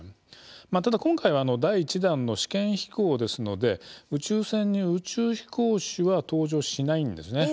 ただ、今回は第１弾の試験飛行ですので宇宙船に宇宙飛行士は搭乗しないんですね。